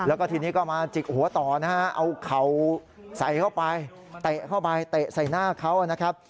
แล้วก็ทีนี้ก็มาจิกหัวต่อนะฮะเอาเข่าใส่เข้าไปเตะเข้าไปเตะใส่หน้าเขานะครับ